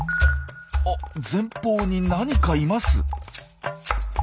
あ前方に何かいます！